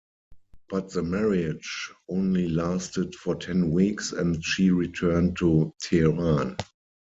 But the marriage only lasted for ten weeks and she returned to Tehran.